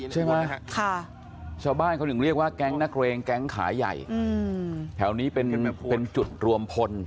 ใช่ไหมชาวบ้านเขาถึงเรียกว่าแก๊งนักเรงแก๊งขายใหญ่แถวนี้เป็นจุดรวมพล